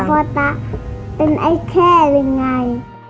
พ่อตาเป็นไอ้เข้หรือยังไง